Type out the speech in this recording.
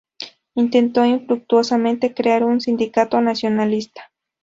Intentó, infructuosamente, crear un sindicato nacionalista.